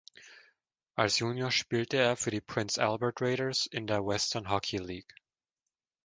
Als Junior spielte er für die Prince Albert Raiders in der Western Hockey League.